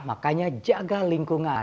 makanya jaga lingkungan